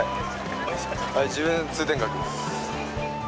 自分通天閣です。